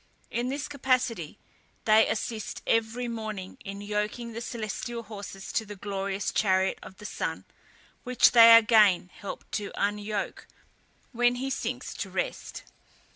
In this capacity they assist every morning in yoking the celestial horses to the glorious chariot of the sun, which they again help to unyoke when he sinks to rest.